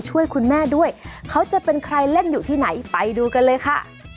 ช่วยคุณแม่ด้วยเขาจะเป็นใครเล่นอยู่ที่ไหนไปดูกันเลยค่ะ